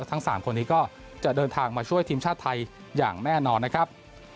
ทั้ง๓คนนี้ก็จะเดินทางมาช่วยทีมชาติไทยอย่างแน่นอนนะครับ